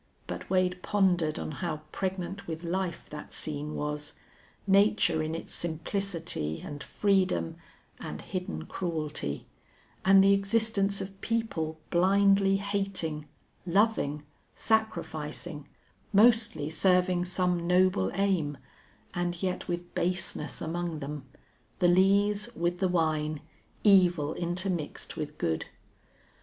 But Wade pondered on how pregnant with life that scene was nature in its simplicity and freedom and hidden cruelty, and the existence of people, blindly hating, loving, sacrificing, mostly serving some noble aim, and yet with baseness among them, the lees with the wine, evil intermixed with good.